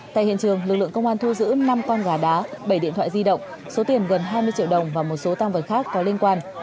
tại hiện trường lực lượng công an thu giữ năm con gà đá bảy điện thoại di động số tiền gần hai mươi triệu đồng và một số tăng vật khác có liên quan